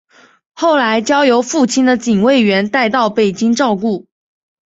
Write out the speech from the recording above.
后来交由父亲的警卫员带到北京照顾。